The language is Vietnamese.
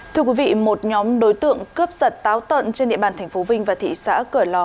thưa quý vị một nhóm đối tượng cướp giật táo tợn trên địa bàn tp vinh và thị xã cửa lò